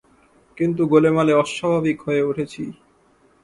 কিন্তু গোলেমালে অস্বাভাবিক হয়ে উঠেছি।